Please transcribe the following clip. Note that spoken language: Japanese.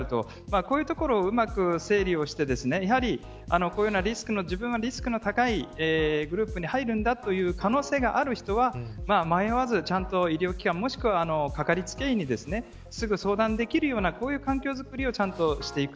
こういうところをうまく整理をして自分がリスクの高いグループに入るんだという可能性がある人は迷わずちゃんと医療機関もしくはかかりつけ医にすぐ相談できるようなこういう環境づくりをちゃんとしていく。